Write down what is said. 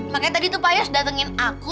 makanya tadi tuh pak yas datengin aku